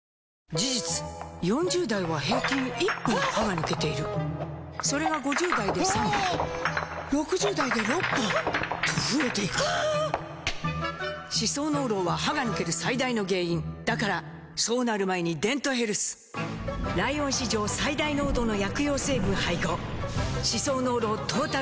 事実４０代は平均１本歯が抜けているそれが５０代で３本６０代で６本と増えていく歯槽膿漏は歯が抜ける最大の原因だからそうなる前に「デントヘルス」ライオン史上最大濃度の薬用成分配合歯槽膿漏トータルケア！